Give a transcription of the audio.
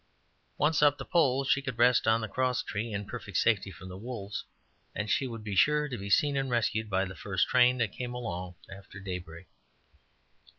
Once up the pole, she could rest on the cross tree, in perfect safety from the wolves, and she would be sure to be seen and rescued by the first train that came along after daybreak.